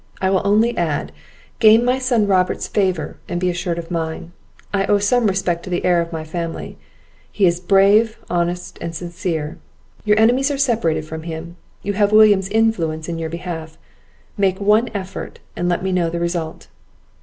I will only add, gain my son Robert's favour, and be assured of mine; I owe some respect to the heir of my family; he is brave, honest, and sincere; your enemies are separated from him, you have William's influence in your behalf; make one effort, and let me know the result."